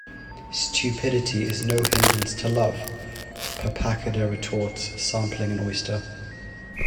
"Stupidity is no hindrance to love", Pappacoda retorts, sampling an oyster.